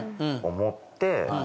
思って。